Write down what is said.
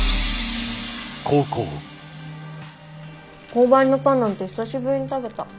購買のパンなんて久しぶりに食べた。